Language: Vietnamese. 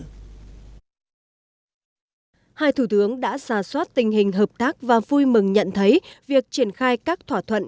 hai thủ tướng đã xà xoát tình hình hợp tác và vui mừng nhận thấy việc triển khai các thỏa thuận